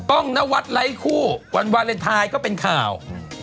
ก้องนวัลลัยรมีกู้หมาลินไทยก็เป็นข่าว